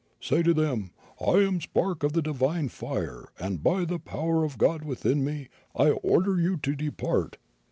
Say to them: 'I am a spark of the divine fire, and by the power of the God within me I order you to depart!'